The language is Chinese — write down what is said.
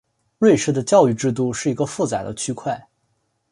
瑞士的教育制度是一个复杂的区块。